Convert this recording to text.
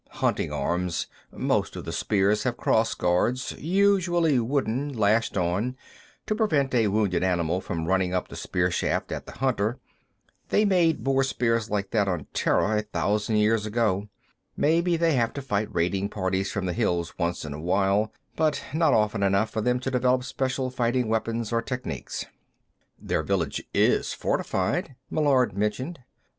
Hunting arms. Most of the spears have cross guards, usually wooden, lashed on, to prevent a wounded animal from running up the spear shaft at the hunter. They made boar spears like that on Terra a thousand years ago. Maybe they have to fight raiding parties from the hills once in a while, but not often enough for them to develop special fighting weapons or techniques." "Their village is fortified," Meillard mentioned.